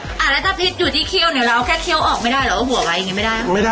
แล้วถ้าพิษอยู่ที่เคี่ยวเนี่ยเราเอาแค่เคี่ยวออกไม่ได้เราก็หัวไว้อย่างนี้ไม่ได้